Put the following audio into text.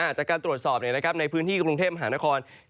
จากการตรวจสอบในพื้นที่กรุงเทพมหานคร